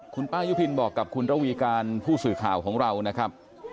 คุณป้ายุพินบอกกับคุณระวีการผู้สื่อข่าวของเรานะครับ